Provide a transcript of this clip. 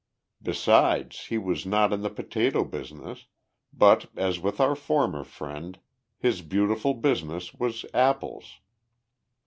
Besides, he was not in the potato business, but, as with our former friend, his beautiful business was apples.